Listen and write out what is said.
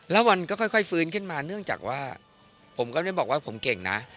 แล้ววันก็ค่อยฟื้นขึ้นมาเนื่องจากว่าผมก็ได้บอกว่าผมเก่งนะ